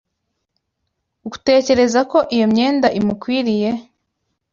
Utekereza ko iyo myenda imukwiriye?